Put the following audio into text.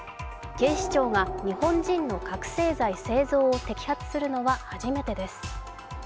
警視庁が日本人の覚醒剤製造を摘発するのは初めてです。